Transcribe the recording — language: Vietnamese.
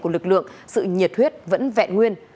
dịch lượng sự nhiệt huyết vẫn vẹn nguyên